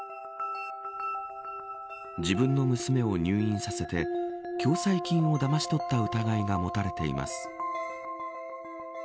自分の娘を入院させて共済金をだまし取った疑いが持たれています。